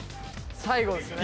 最後ですね。